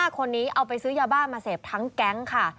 ๕คนนี้เอาไปซื้อยาบ้ามาเสพทั้งแก๊งค่ะ